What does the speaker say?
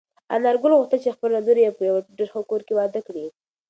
انارګل غوښتل چې خپله لور په یوه ډېر ښه کور کې واده کړي.